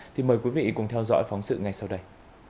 thì mời quý vị cùng theo dõi phóng sự ngay sau đây